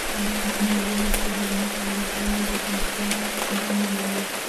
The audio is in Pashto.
احمد به ولي کبر نه کوي، ورور یې د پیسو ډک بوجونه لري.